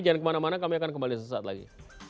jangan kemana mana kami akan kembali sesaat lagi